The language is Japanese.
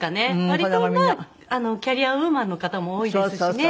割とキャリアウーマンの方も多いですしね。